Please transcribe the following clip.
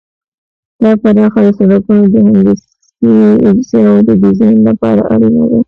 دا برخه د سرکونو د هندسي اجزاوو د ډیزاین لپاره اړینه ده